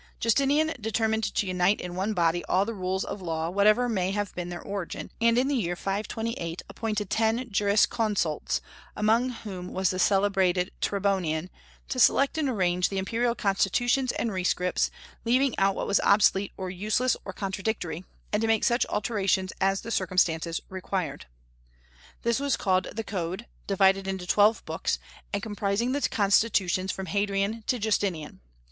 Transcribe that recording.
Justinian determined to unite in one body all the rules of law, whatever may have been their origin; and in the year 528 appointed ten jurisconsults, among whom was the celebrated Tribonian, to select and arrange the imperial constitutions and rescripts, leaving out what was obsolete or useless or contradictory, and to make such alterations as the circumstances required. This was called the Code, divided into twelve books, and comprising the constitutions from Hadrian to Justinian.